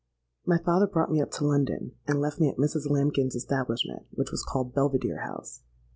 "My father brought me up to London, and left me at Mrs. Lambkin's establishment, which was called Belvidere House.